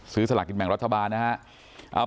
ซื้อสลักกิจแบ่งรัฐบาล